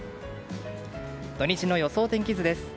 土日の予想天気図です。